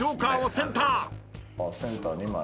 センター２枚ある。